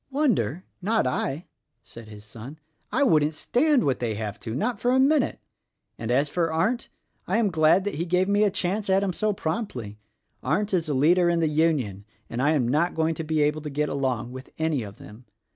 "Wonder? Not I," said his son. "I wouldn't stand what they have to — not for a minute! And as for Arndt, I am glad that he gave me a chance at him so promptly. Arndt is a leader in the Union, and I am not going to be able to get along with any of them.